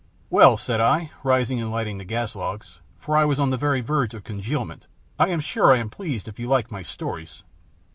"Well," said I, rising and lighting the gas logs for I was on the very verge of congealment "I am sure I am pleased if you like my stories."